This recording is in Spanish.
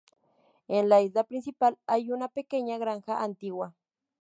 En la isla principal hay una pequeña granja antigua.